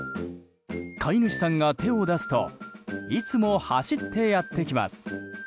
飼い主さんが手を出すといつも走ってやってきます。